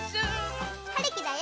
はるきだよ。